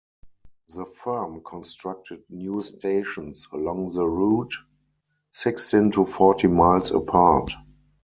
The firm constructed new stations along the route, sixteen to forty miles apart.